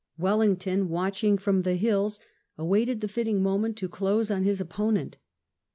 Wellington, watching from the hills, awaited the fitting moment to close on his opponent.